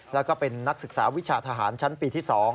แล้วก็เป็นนักศึกษาวิชาทหารชั้นปีที่๒